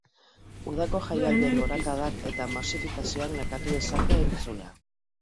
Udako jaialdien gorakadak eta masifikazioak nekatu dezake entzulea.